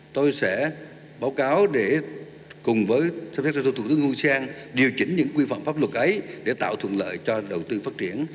tôi sẽ báo cáo để cùng với tham gia tổ chức thủ tướng hồ chí minh điều chỉnh những quy phạm pháp luật ấy để tạo thuận lợi cho đầu tư phát triển